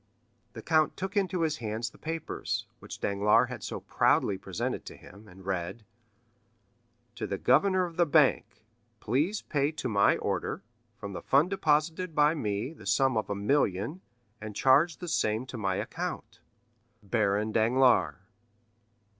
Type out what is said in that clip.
The count took into his hands the papers, which Danglars had so proudly presented to him, and read:— "'To the Governor of the Bank. Please pay to my order, from the fund deposited by me, the sum of a million, and charge the same to my account. "Baron Danglars.